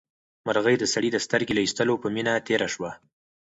مرغۍ د سړي د سترګې له ایستلو په مینه تېره شوه.